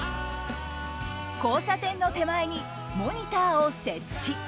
交差点の手前にモニターを設置。